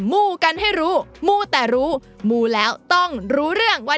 มูแต่รู้มูแล้วต้องรู้เรื่อง